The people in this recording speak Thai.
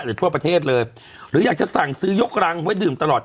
ทั่วประเทศเลยหรืออยากจะสั่งซื้อยกรังไว้ดื่มตลอด